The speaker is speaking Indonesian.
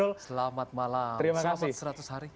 selamat malam selamat seratus hari